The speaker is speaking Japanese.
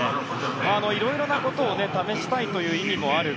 いろいろなことを試したいという意味もある